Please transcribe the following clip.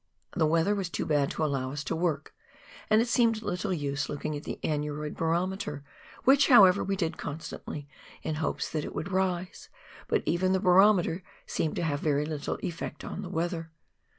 The weather was too bad to allow us to work, and it seemed little use looking at the aneroid barometer, which, however, we did constantly in hopes that it would rise ; but even the barometer seemed to have very little effect on the weather.